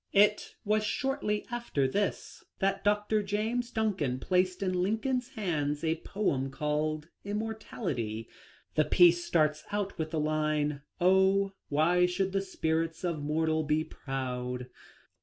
It was shortly after this that Dr. Jason Duncan placed in Lincoln's hands a poem called " Immor tality." The piece starts out with the line, " Oh ! why should the spirit of mortal be proud."